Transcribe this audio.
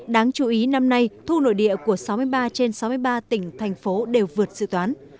đáng chú ý năm nay thu nội địa của sáu mươi ba trên sáu mươi ba tỉnh thành phố đều vượt dự toán